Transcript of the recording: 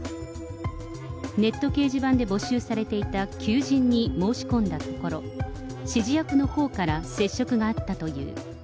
ネット掲示板で募集されていた求人に申し込んだところ、指示役のほうから接触があったという。